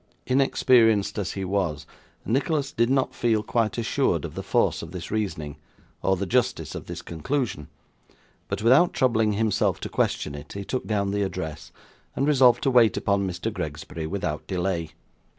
Inexperienced as he was, Nicholas did not feel quite assured of the force of this reasoning, or the justice of this conclusion; but without troubling himself to question it, he took down the address, and resolved to wait upon Mr. Gregsbury without delay.